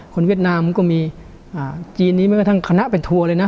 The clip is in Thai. คนเวียดนามก็มีจีนนี่ถั้งคณะเป็นทัวร์เลยนะ